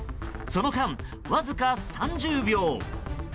その間わずか３０秒。